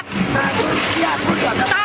sebeserpun gak dapat